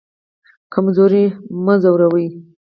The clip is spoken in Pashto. کمزوری مه ځوروئ